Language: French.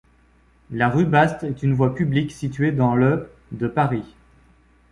La rue Baste est une voie publique située dans le de Paris.